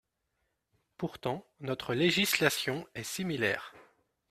Pourtant, notre législation est similaire.